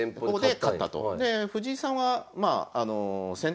勝ったと。